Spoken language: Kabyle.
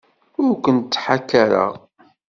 Ur kent-ttḥakaṛeɣ.